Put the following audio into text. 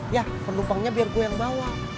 ya penumpangnya biar gue yang bawa